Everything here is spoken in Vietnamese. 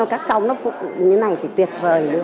các cháu nó phụ như thế này thì tuyệt vời